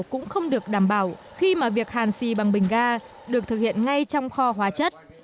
cũng không được đảm bảo khi mà việc hàn xì bằng bình ga được thực hiện ngay trong kho hóa chất